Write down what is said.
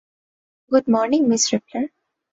Good morning, miss রেপলার!